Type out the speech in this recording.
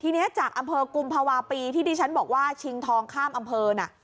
ทีนี้จากอำเภอกุมภาวะปีที่ดิฉันบอกว่าชิงทองข้ามอำเภอน่ะ